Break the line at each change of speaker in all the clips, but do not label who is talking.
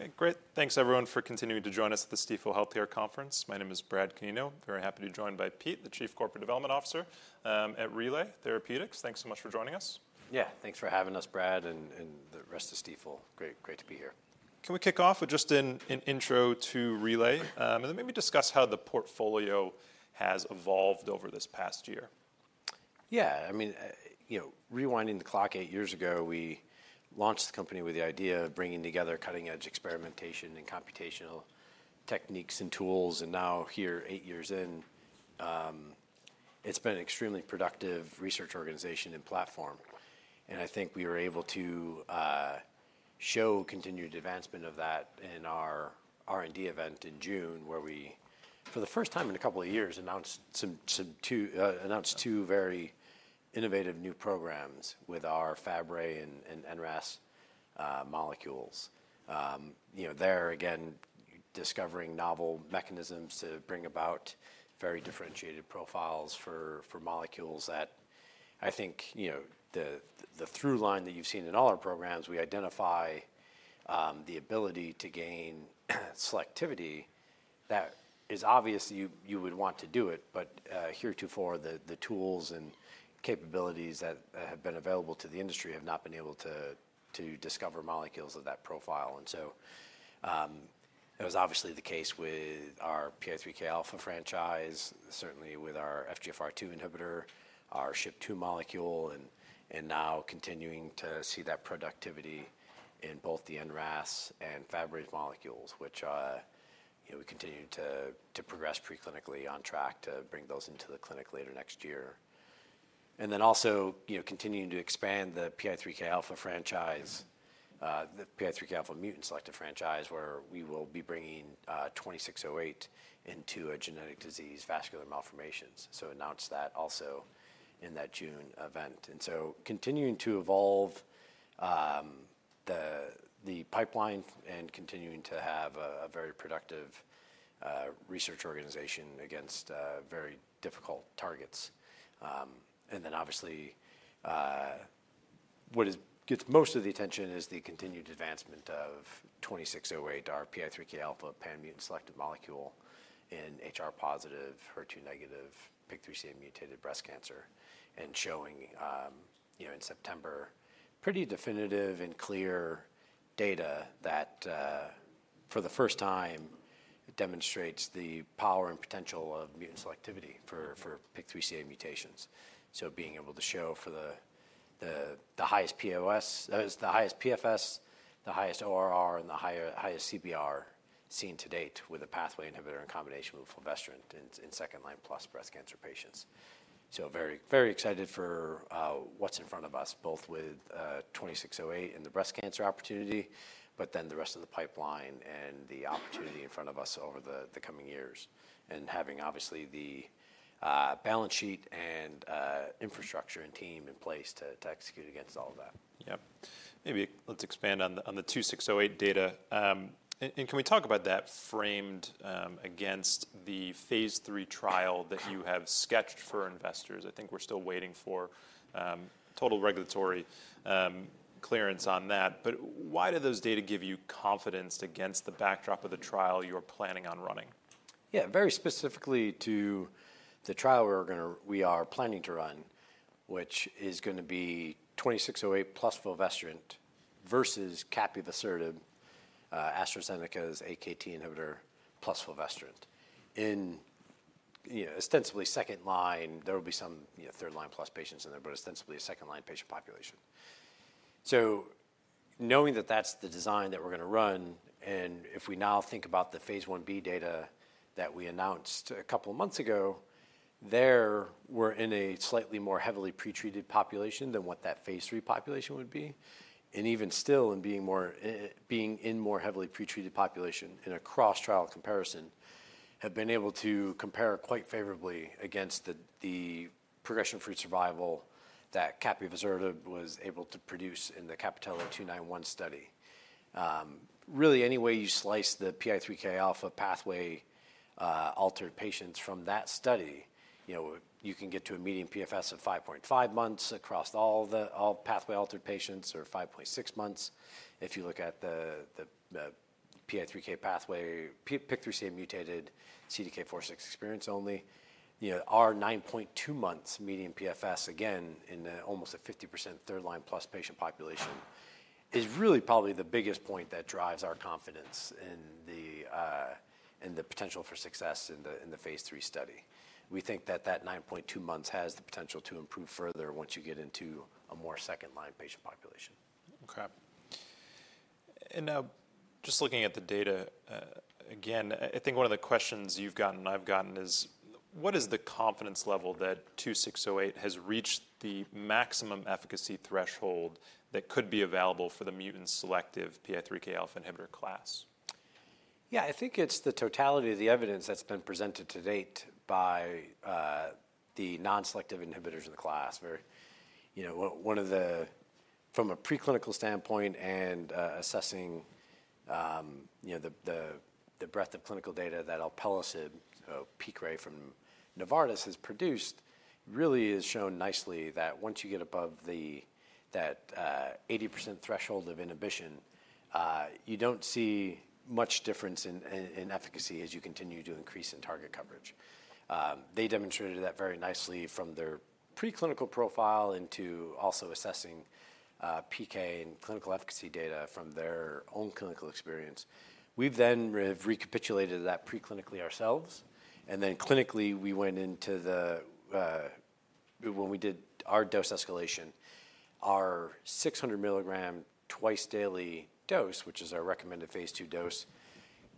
Okay, great. Thanks, everyone, for continuing to join us at the Stifel Healthcare Conference. My name is Brad Canino. Very happy to be joined by Pete, the Chief Corporate Development Officer at Relay Therapeutics. Thanks so much for joining us.
Yeah, thanks for having us, Brad, and the rest of Stifel. Great to be here.
Can we kick off with just an intro to Relay? And then maybe discuss how the portfolio has evolved over this past year.
Yeah, I mean, you know, rewinding the clock eight years ago, we launched the company with the idea of bringing together cutting-edge experimentation and computational techniques and tools. And now, here, eight years in, it's been an extremely productive research organization and platform. And I think we were able to show continued advancement of that in our R&D event in June, where we, for the first time in a couple of years, announced two very innovative new programs with our Fabry and NRAS molecules. You know, there, again, discovering novel mechanisms to bring about very differentiated profiles for molecules that I think, you know, the through line that you've seen in all our programs, we identify the ability to gain selectivity that is obvious that you would want to do it. But heretofore, the tools and capabilities that have been available to the industry have not been able to discover molecules of that profile. And so that was obviously the case with our PI3K alpha franchise, certainly with our FGFR2 inhibitor, our SHP2 molecule, and now continuing to see that productivity in both the NRAS and Fabry molecules, which we continue to progress preclinically on track to bring those into the clinic later next year. And then also, you know, continuing to expand the PI3K alpha franchise, the PI3K alpha mutant selective franchise, where we will be bringing 2608 into genetic disease vascular malformations. So announced that also in that June event. And so continuing to evolve the pipeline and continuing to have a very productive research organization against very difficult targets. And then obviously, what gets most of the attention is the continued advancement of 2608, our PI3K alpha pan-mutant selective molecule in HR+/HER2-, PIK3CA-mutated breast cancer, and showing, you know, in September, pretty definitive and clear data that for the first time it demonstrates the power and potential of mutant selectivity for PIK3CA mutations. So being able to show for the highest PFS, the highest ORR, and the highest CBR seen to date with a pathway inhibitor in combination with fulvestrant in second-line plus breast cancer patients. So very, very excited for what's in front of us, both with 2608 and the breast cancer opportunity, but then the rest of the pipeline and the opportunity in front of us over the coming years, and having obviously the balance sheet and infrastructure and team in place to execute against all of that.
Yep. Maybe let's expand on the 2608 data. And can we talk about that framed against the Phase 3 trial that you have sketched for investors? I think we're still waiting for total regulatory clearance on that. But why do those data give you confidence against the backdrop of the trial you're planning on running?
Yeah, very specifically to the trial we are planning to run, which is going to be 2608 plus fulvestrant versus capivasertib AstraZeneca's AKT inhibitor plus fulvestrant. In, you know, ostensibly second line, there will be some, you know, third line plus patients in there, but ostensibly a second line patient population. So knowing that that's the design that we're going to run, and if we now think about the Phase 1b data that we announced a couple of months ago, there we're in a slightly more heavily pretreated population than what that Phase 3 population would be. And even still, in being in more heavily pretreated population in a cross-trial comparison, have been able to compare quite favorably against the progression-free survival that capivasertib was able to produce in the CAPItello-291 study. Really, any way you slice the PI3K alpha pathway altered patients from that study, you know, you can get to a median PFS of 5.5 months across all pathway altered patients or 5.6 months. If you look at the PI3K pathway, PIK3CA mutated CDK4/6 experienced only, you know, our 9.2 months median PFS, again, in almost a 50% third line plus patient population is really probably the biggest point that drives our confidence in the potential for success in the Phase 3 study. We think that that 9.2 months has the potential to improve further once you get into a more second line patient population.
Okay, and now, just looking at the data, again, I think one of the questions you've gotten and I've gotten is, what is the confidence level that 2608 has reached the maximum efficacy threshold that could be available for the mutant selective PI3K alpha inhibitor class?
Yeah, I think it's the totality of the evidence that's been presented to date by the non-selective inhibitors in the class. You know, one of the, from a preclinical standpoint and assessing, you know, the breadth of clinical data that alpelisib, so Piqray from Novartis has produced, really has shown nicely that once you get above that 80% threshold of inhibition, you don't see much difference in efficacy as you continue to increase in target coverage. They demonstrated that very nicely from their preclinical profile into also assessing PK and clinical efficacy data from their own clinical experience. We've then recapitulated that preclinically ourselves, and then clinically, we went into the, when we did our dose escalation, our 600 mg twice daily dose, which is our recommended Phase 2 dose,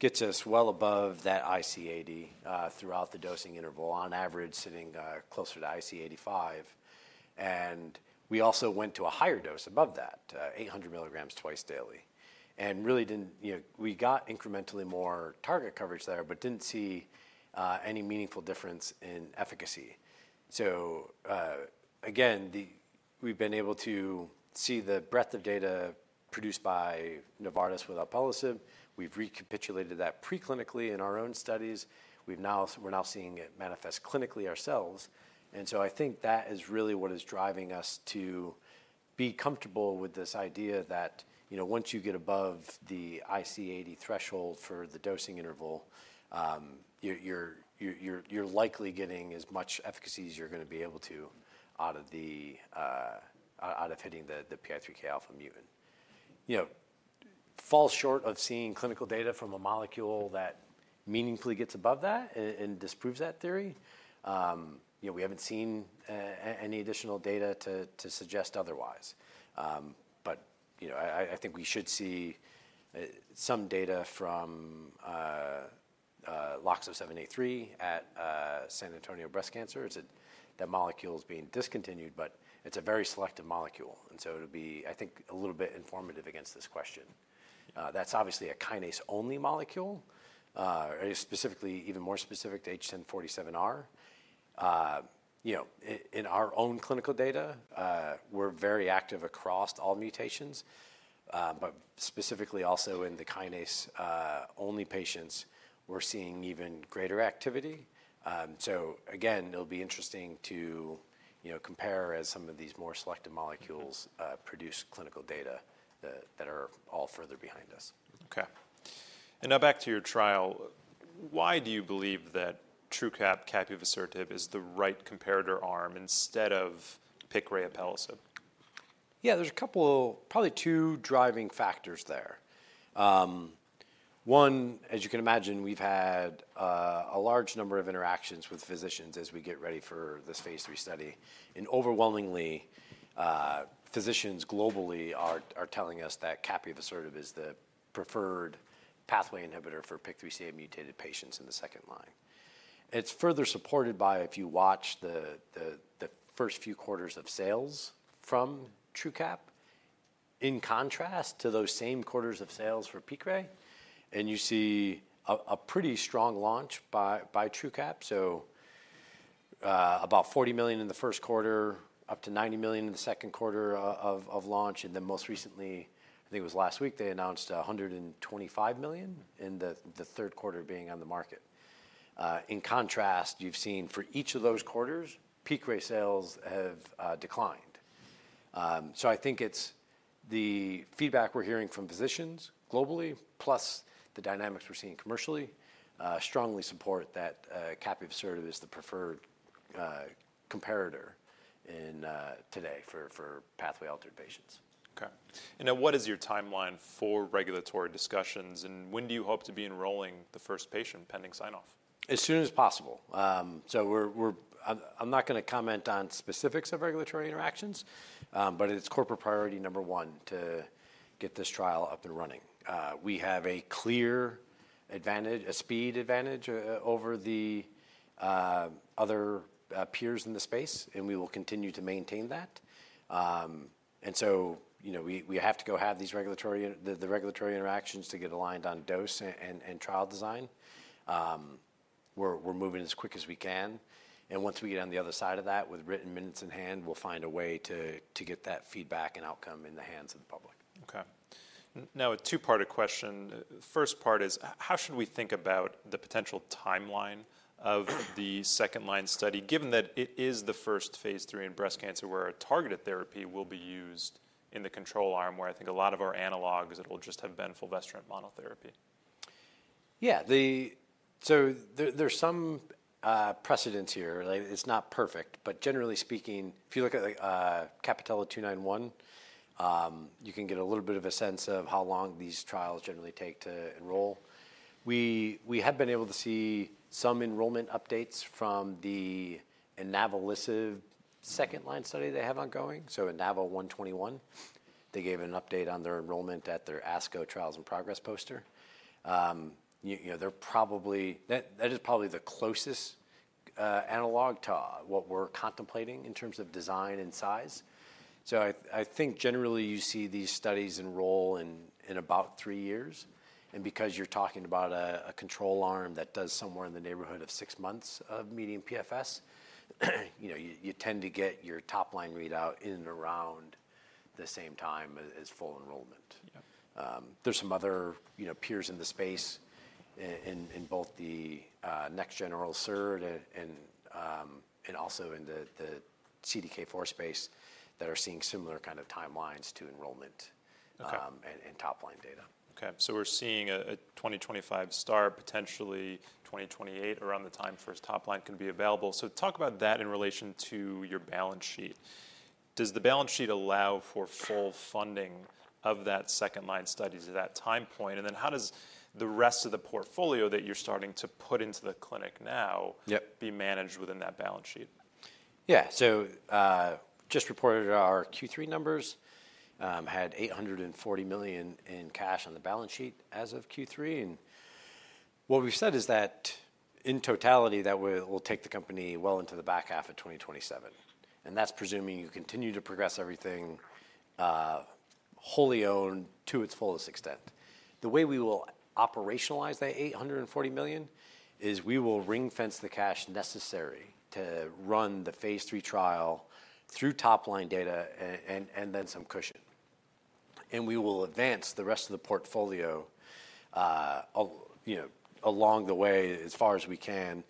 gets us well above that IC80 throughout the dosing interval, on average sitting closer to IC85. And we also went to a higher dose above that, 800 mg twice daily. And really didn't, you know, we got incrementally more target coverage there, but didn't see any meaningful difference in efficacy. So again, we've been able to see the breadth of data produced by Novartis with alpelisib. We've recapitulated that preclinically in our own studies. We're now seeing it manifest clinically ourselves. And so I think that is really what is driving us to be comfortable with this idea that, you know, once you get above the IC80 threshold for the dosing interval, you're likely getting as much efficacy as you're going to be able to out of hitting the PI3K alpha mutant. You know, fall short of seeing clinical data from a molecule that meaningfully gets above that and disproves that theory. You know, we haven't seen any additional data to suggest otherwise. You know, I think we should see some data from LOXO-783 at San Antonio Breast Cancer. That molecule is being discontinued, but it's a very selective molecule. And so it'll be, I think, a little bit informative against this question. That's obviously a kinase-only molecule, specifically even more specific to H1047R. You know, in our own clinical data, we're very active across all mutations. But specifically also in the kinase-only patients, we're seeing even greater activity. So again, it'll be interesting to, you know, compare as some of these more selective molecules produce clinical data that are all further behind us.
Okay. And now back to your trial. Why do you believe that Truqap capivasertib is the right comparator arm instead of Piqray/alpelisib?
Yeah, there's a couple, probably two driving factors there. One, as you can imagine, we've had a large number of interactions with physicians as we get ready for this Phase 3 study. And overwhelmingly, physicians globally are telling us that capivasertib is the preferred pathway inhibitor for PIK3CA mutated patients in the second line. It's further supported by, if you watch the first few quarters of sales from Truqap, in contrast to those same quarters of sales for Piqray, and you see a pretty strong launch by Truqap. So about $40 million in the first quarter, up to $90 million in the second quarter of launch. And then most recently, I think it was last week, they announced $125 million in the third quarter being on the market. In contrast, you've seen for each of those quarters, Piqray sales have declined. I think it's the feedback we're hearing from physicians globally, plus the dynamics we're seeing commercially, strongly support that capivasertib is the preferred comparator in today for pathway altered patients.
Okay. And now what is your timeline for regulatory discussions? And when do you hope to be enrolling the first patient pending sign-off?
As soon as possible. So I'm not going to comment on specifics of regulatory interactions, but it's corporate priority number one to get this trial up and running. We have a clear advantage, a speed advantage over the other peers in the space, and we will continue to maintain that. And so, you know, we have to go have the regulatory interactions to get aligned on dose and trial design. We're moving as quick as we can. And once we get on the other side of that, with written minutes in hand, we'll find a way to get that feedback and outcome in the hands of the public.
Okay. Now, a two-parted question. First part is, how should we think about the potential timeline of the second line study, given that it is the first Phase 3 in breast cancer where a targeted therapy will be used in the control arm where I think a lot of our analogs that will just have been fulvestrant monotherapy?
Yeah, so there's some precedence here. It's not perfect. But generally speaking, if you look at CAPItello-291, you can get a little bit of a sense of how long these trials generally take to enroll. We have been able to see some enrollment updates from the inavolisib second line study they have ongoing. So INAVO121, they gave an update on their enrollment at their ASCO trials and progress poster. You know, that is probably the closest analog to what we're contemplating in terms of design and size. So I think generally you see these studies enroll in about three years. And because you're talking about a control arm that does somewhere in the neighborhood of six months of median PFS, you know, you tend to get your top line readout in and around the same time as full enrollment. There's some other peers in the space in both the next-gen oral SERD and also in the CDK4 space that are seeing similar kind of timelines to enrollment and top-line data.
Okay. So we're seeing a 2025 start, potentially 2028 around the time first top line can be available. So talk about that in relation to your balance sheet. Does the balance sheet allow for full funding of that second line study to that time point? And then how does the rest of the portfolio that you're starting to put into the clinic now be managed within that balance sheet?
Yeah, so just reported our Q3 numbers, had $840 million in cash on the balance sheet as of Q3, and what we've said is that in totality, that will take the company well into the back half of 2027. And that's presuming you continue to progress everything wholly owned to its fullest extent. The way we will operationalize that $840 million is we will ring-fence the cash necessary to run the phase three trial through top line data and then some cushion, and we will advance the rest of the portfolio, you know, along the way as far as we can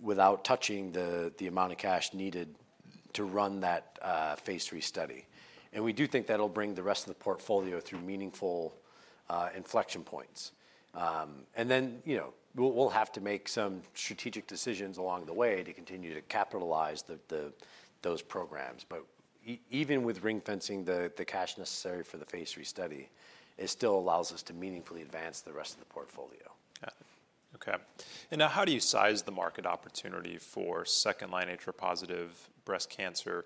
without touching the amount of cash needed to run that phase three study, and we do think that'll bring the rest of the portfolio through meaningful inflection points, and then, you know, we'll have to make some strategic decisions along the way to continue to capitalize those programs. But even with ring-fencing the cash necessary for the Phase 3 study, it still allows us to meaningfully advance the rest of the portfolio.
Okay. And now how do you size the market opportunity for second-line HR+ breast cancer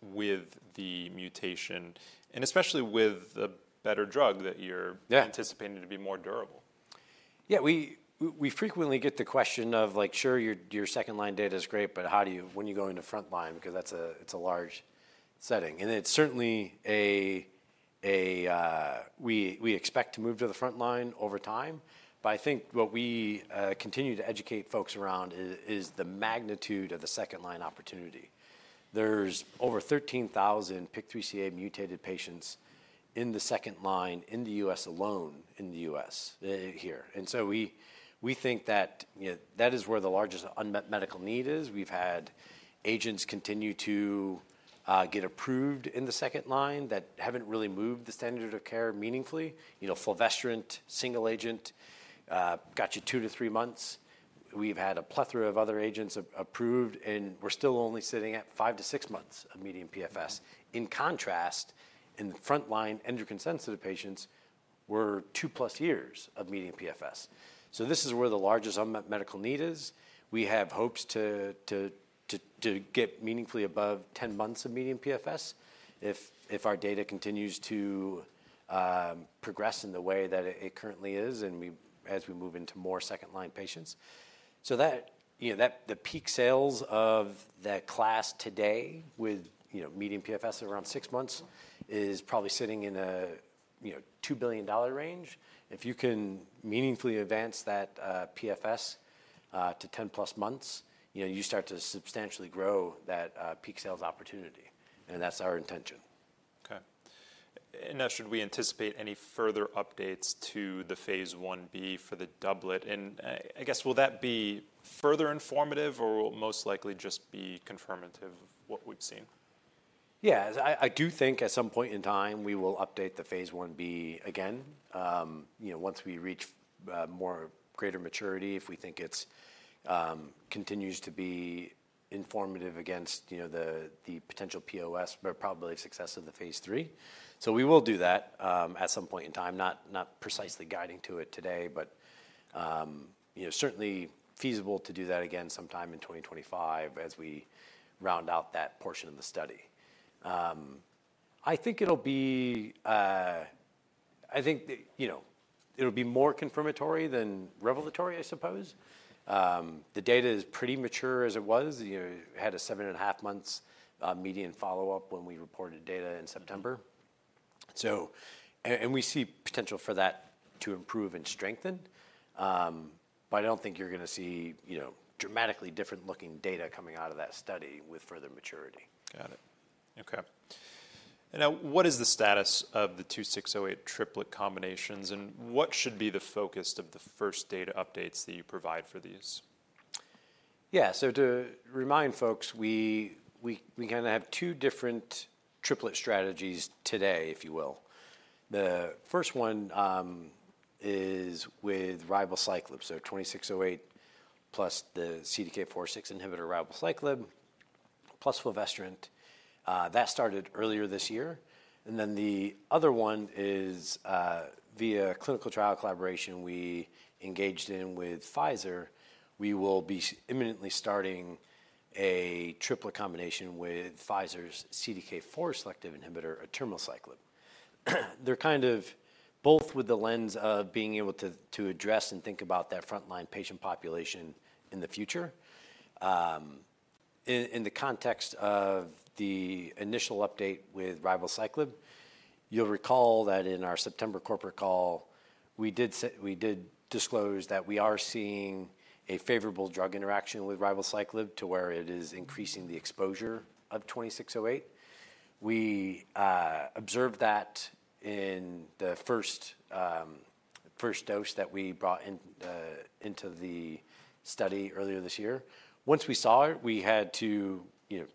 with the mutation and especially with the better drug that you're anticipating to be more durable?
Yeah, we frequently get the question of like, sure, your second line data is great, but how do you, when you go into front line, because that's a large setting, and it's certainly a, we expect to move to the front line over time, but I think what we continue to educate folks around is the magnitude of the second line opportunity. There's over 13,000 PIK3CA-mutated patients in the second line in the U.S. alone in the U.S. here, and so we think that, you know, that is where the largest unmet medical need is. We've had agents continue to get approved in the second line that haven't really moved the standard of care meaningfully. You know, fulvestrant, single agent, got you two to three months. We've had a plethora of other agents approved, and we're still only sitting at five to six months of median PFS. In contrast, in the front line endocrine sensitive patients, we're two plus years of median PFS. So this is where the largest unmet medical need is. We have hopes to get meaningfully above 10 months of median PFS if our data continues to progress in the way that it currently is and as we move into more second line patients. So that, you know, the peak sales of that class today with, you know, median PFS at around six months is probably sitting in a, you know, $2 billion range. If you can meaningfully advance that PFS to 10 plus months, you know, you start to substantially grow that peak sales opportunity. And that's our intention.
Okay. And now should we anticipate any further updates to the Phase 1b for the doublet? And I guess, will that be further informative or will it most likely just be confirmative of what we've seen?
Yeah, I do think at some point in time we will update the Phase 1b again, you know, once we reach more greater maturity, if we think it continues to be informative against, you know, the potential POS, but probably success of the Phase 3, so we will do that at some point in time, not precisely guiding to it today, but, you know, certainly feasible to do that again sometime in 2025 as we round out that portion of the study. I think it'll be, you know, it'll be more confirmatory than revelatory, I suppose. The data is pretty mature as it was. You know, it had a seven and a half months median follow-up when we reported data in September, so, and we see potential for that to improve and strengthen. But I don't think you're going to see, you know, dramatically different looking data coming out of that study with further maturity.
Got it. Okay. And now what is the status of the 2608 triplet combinations and what should be the focus of the first data updates that you provide for these?
Yeah, so to remind folks, we kind of have two different triplet strategies today, if you will. The first one is with ribociclib. So 2608 plus the CDK4/6 inhibitor ribociclib plus fulvestrant. That started earlier this year. And then the other one is via clinical trial collaboration we engaged in with Pfizer. We will be imminently starting a triplet combination with Pfizer's CDK4 selective inhibitor, atirmociclib. They're kind of both with the lens of being able to address and think about that front line patient population in the future. In the context of the initial update with ribociclib, you'll recall that in our September corporate call, we did disclose that we are seeing a favorable drug interaction with ribociclib to where it is increasing the exposure of 2608. We observed that in the first dose that we brought into the study earlier this year. Once we saw it, we had to, you know,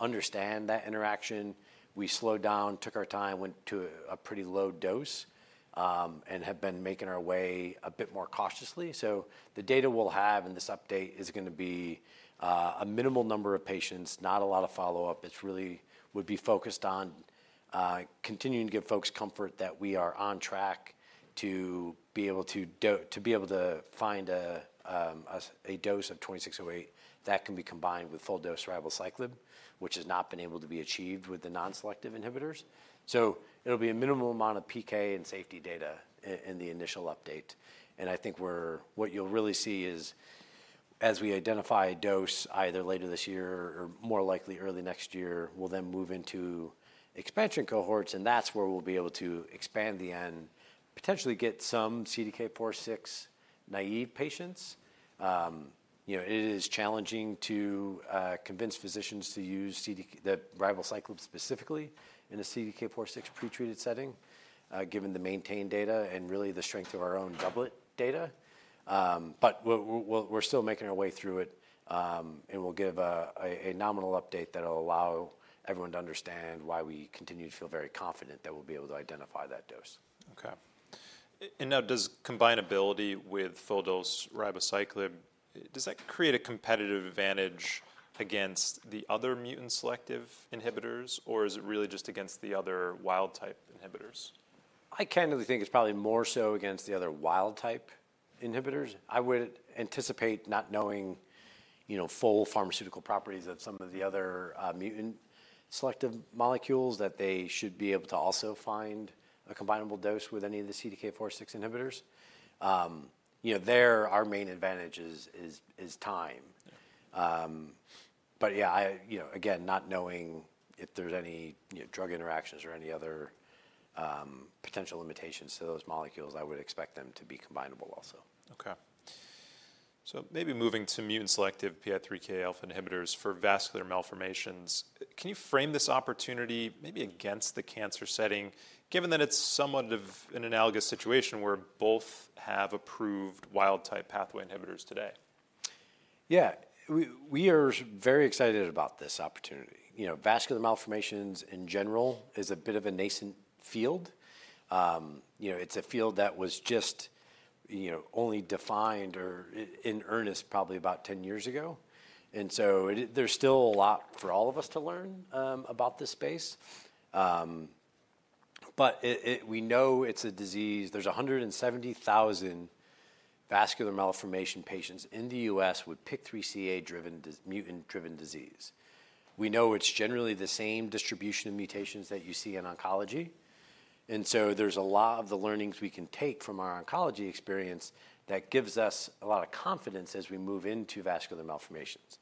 understand that interaction. We slowed down, took our time, went to a pretty low dose, and have been making our way a bit more cautiously, so the data we'll have in this update is going to be a minimal number of patients, not a lot of follow-up. It really would be focused on continuing to give folks comfort that we are on track to be able to find a dose of 2608 that can be combined with full dose ribociclib, which has not been able to be achieved with the non-selective inhibitors, so it'll be a minimal amount of PK and safety data in the initial update, and I think what you'll really see is as we identify a dose either later this year or more likely early next year, we'll then move into expansion cohorts. And that's where we'll be able to expand the label, potentially get some CDK4/6 naive patients. You know, it is challenging to convince physicians to use the ribociclib specifically in a CDK4/6 pretreated setting given the limited data and really the strength of our own doublet data. But we're still making our way through it. And we'll give a nominal update that will allow everyone to understand why we continue to feel very confident that we'll be able to identify that dose.
Okay, and now does combinability with full dose ribociclib, does that create a competitive advantage against the other mutant selective inhibitors? Or is it really just against the other wild type inhibitors?
I candidly think it's probably more so against the other wild-type inhibitors. I would anticipate, not knowing, you know, full pharmaceutical properties of some of the other mutant-selective molecules, that they should be able to also find a combinable dose with any of the CDK4/6 inhibitors. You know, their main advantage is time. But yeah, you know, again, not knowing if there's any drug interactions or any other potential limitations to those molecules, I would expect them to be combinable also.
Okay. So maybe moving to mutant selective PI3K alpha inhibitors for vascular malformations. Can you frame this opportunity maybe against the cancer setting, given that it's somewhat of an analogous situation where both have approved wild type pathway inhibitors today?
Yeah, we are very excited about this opportunity. You know, vascular malformations in general is a bit of a nascent field. You know, it's a field that was just, you know, only defined or in earnest probably about 10 years ago. And so there's still a lot for all of us to learn about this space. But we know it's a disease. There's 170,000 vascular malformation patients in the U.S. with PIK3CA driven, mutant driven disease. We know it's generally the same distribution of mutations that you see in oncology. And so there's a lot of the learnings we can take from our oncology experience that gives us a lot of confidence as we move into vascular malformations.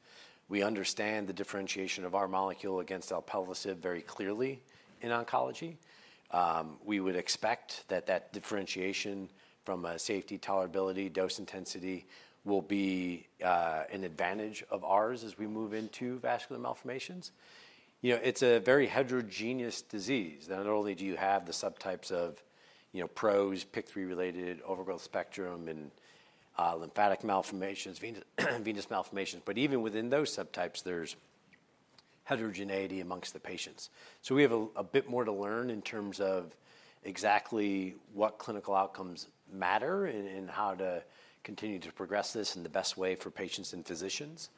We understand the differentiation of our molecule against alpelisib very clearly in oncology. We would expect that that differentiation from a safety tolerability dose intensity will be an advantage of ours as we move into vascular malformations. You know, it's a very heterogeneous disease that not only do you have the subtypes of, you know, PROS, PIK3CA-related overgrowth spectrum, and lymphatic malformations, venous malformations, but even within those subtypes, there's heterogeneity among the patients. So we have a bit more to learn in terms of exactly what clinical outcomes matter and how to continue to progress this in the best way for patients and physicians.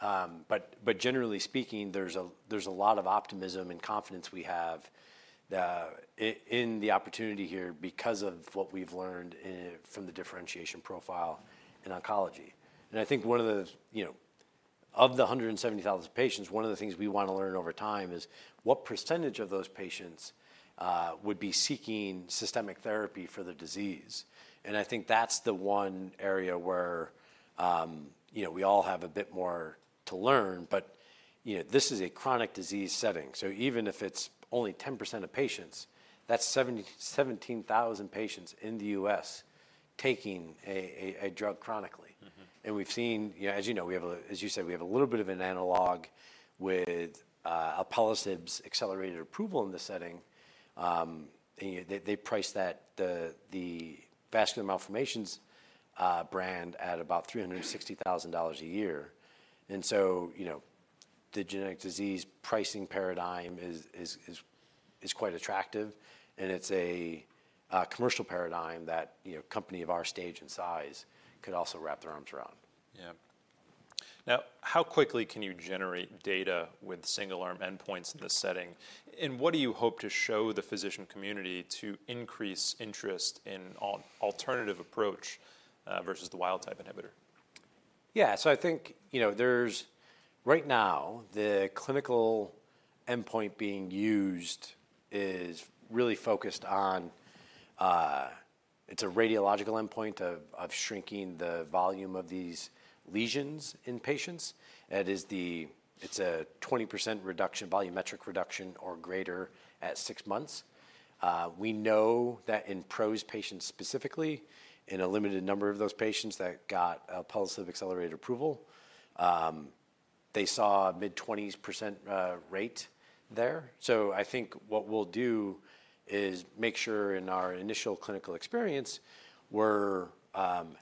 But generally speaking, there's a lot of optimism and confidence we have in the opportunity here because of what we've learned from the differentiation profile in oncology. I think one of the, you know, of the 170,000 patients, one of the things we want to learn over time is what percentage of those patients would be seeking systemic therapy for the disease. I think that's the one area where, you know, we all have a bit more to learn. This is a chronic disease setting. Even if it's only 10% of patients, that's 17,000 patients in the US taking a drug chronically. We've seen, you know, as you know, we have a, as you said, we have a little bit of an analog with alpelisib accelerated approval in the setting. They price that the vascular malformations brand at about $360,000 a year. The genetic disease pricing paradigm is quite attractive. It's a commercial paradigm that, you know, a company of our stage and size could also wrap their arms around.
Yeah. Now, how quickly can you generate data with single arm endpoints in this setting? And what do you hope to show the physician community to increase interest in an alternative approach versus the wild type inhibitor?
Yeah, so I think, you know, there's right now the clinical endpoint being used is really focused on, it's a radiological endpoint of shrinking the volume of these lesions in patients. It is the, it's a 20% reduction, volumetric reduction or greater at six months. We know that in PROS patients specifically, in a limited number of those patients that got alpelisib accelerated approval, they saw a mid-20s% rate there. So I think what we'll do is make sure in our initial clinical experience, we're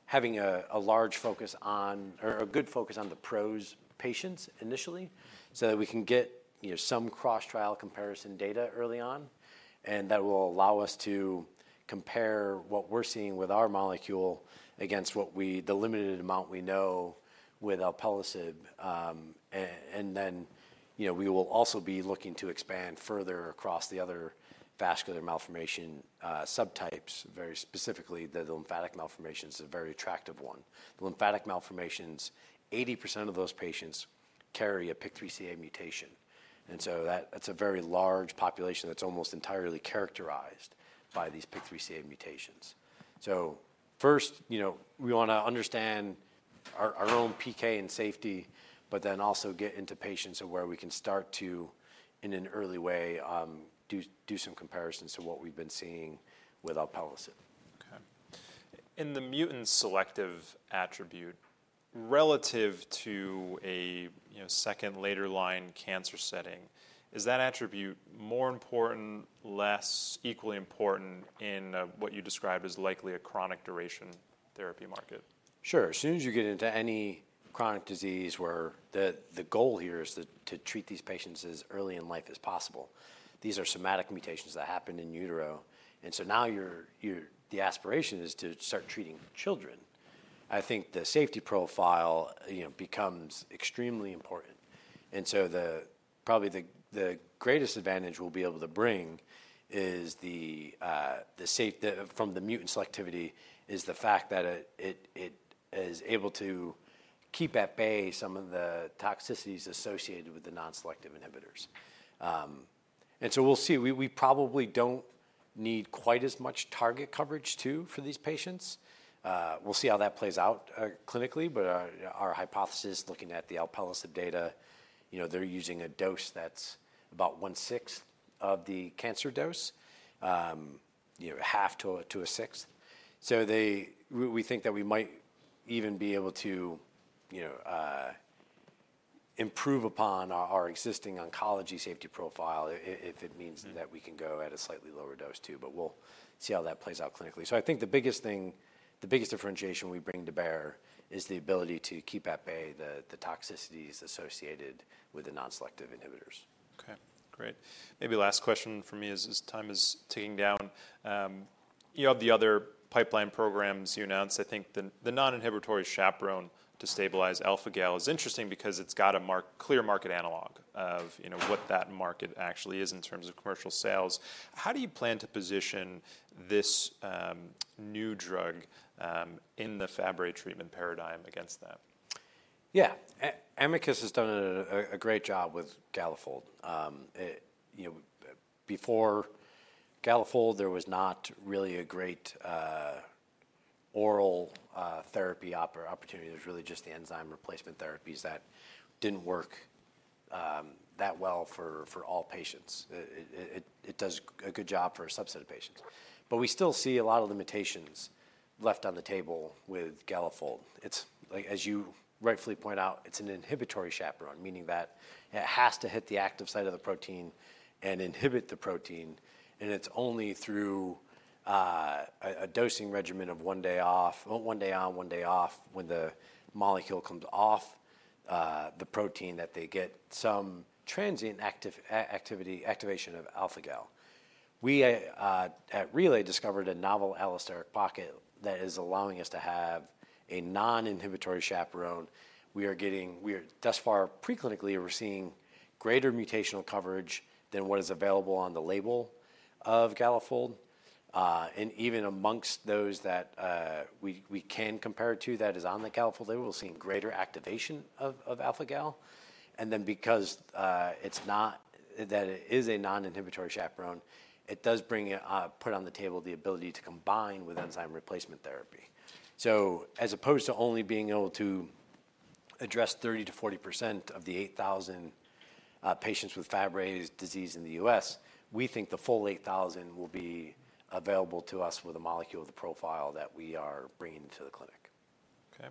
having a large focus on, or a good focus on the PROS patients initially so that we can get, you know, some cross trial comparison data early on. And that will allow us to compare what we're seeing with our molecule against what we, the limited amount we know with alpelisib. Then, you know, we will also be looking to expand further across the other vascular malformation subtypes, very specifically the lymphatic malformations is a very attractive one. The lymphatic malformations, 80% of those patients carry a PIK3CA mutation. So that's a very large population that's almost entirely characterized by these PIK3CA mutations. So first, you know, we want to understand our own PK and safety, but then also get into patients where we can start to, in an early way, do some comparisons to what we've been seeing with alpelisib.
Okay. In the mutant-selective attribute, relative to a, you know, second- or later-line cancer setting, is that attribute more important, less important, or equally important in what you described as likely a chronic duration therapy market?
Sure. As soon as you get into any chronic disease where the goal here is to treat these patients as early in life as possible. These are somatic mutations that happen in utero. And so now you're, the aspiration is to start treating children. I think the safety profile, you know, becomes extremely important. And so the, probably the greatest advantage we'll be able to bring is the safety from the mutant selectivity is the fact that it is able to keep at bay some of the toxicities associated with the non-selective inhibitors. And so we'll see, we probably don't need quite as much target coverage too for these patients. We'll see how that plays out clinically, but our hypothesis looking at the alpelisib data, you know, they're using a dose that's about 1/6 of the cancer dose, you know, half to 1/6. So we think that we might even be able to, you know, improve upon our existing oncology safety profile if it means that we can go at a slightly lower dose too, but we'll see how that plays out clinically. So I think the biggest thing, the biggest differentiation we bring to bear is the ability to keep at bay the toxicities associated with the non-selective inhibitors.
Okay. Great. Maybe last question for me as time is ticking down. You have the other pipeline programs you announced. I think the non-inhibitory chaperone to stabilize alpha-Gal is interesting because it's got a clear market analog of, you know, what that market actually is in terms of commercial sales. How do you plan to position this new drug in the Fabry treatment paradigm against that?
Yeah, Amicus has done a great job with Galafold. You know, before Galafold, there was not really a great oral therapy opportunity. There's really just the enzyme replacement therapies that didn't work that well for all patients. It does a good job for a subset of patients. But we still see a lot of limitations left on the table with Galafold. It's like, as you rightfully point out, it's an inhibitory chaperone, meaning that it has to hit the active site of the protein and inhibit the protein. And it's only through a dosing regimen of one day off, one day on, one day off when the molecule comes off the protein that they get some transient activity activation of alpha-Gal. We at Relay discovered a novel allosteric pocket that is allowing us to have a non-inhibitory chaperone. We are getting, we are thus far preclinically, we're seeing greater mutational coverage than what is available on the label of Galafold. And even amongst those that we can compare to that is on the Galafold, we'll see greater activation of alpha-Gal. And then because it's not that it is a non-inhibitory chaperone, it does bring it puts on the table the ability to combine with enzyme replacement therapy. So as opposed to only being able to address 30%-40% of the 8,000 patients with Fabry disease in the U.S., we think the full 8,000 will be available to us with a molecule of the profile that we are bringing to the clinic.
Okay.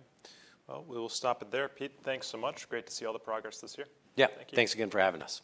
Well, we will stop it there. Pete, thanks so much. Great to see all the progress this year.
Yeah. Thanks again for having us.